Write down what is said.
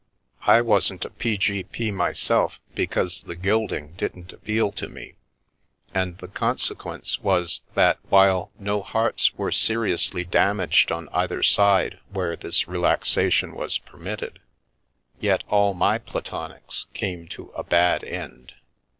I wasn't a P.G.P. myself, because the gilding didn't appeal to me, and the consequence was that while no hearts were seriously damaged on either side where this relaxation was permitted, yet all my platonics came to a bad end.